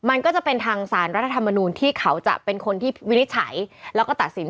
มันก็จะเป็นทางสารรัฐธรรมนูลที่เขาจะเป็นคนที่วินิจฉัยแล้วก็ตัดสิน